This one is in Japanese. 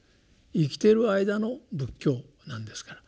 生きてる間の仏教なんですから。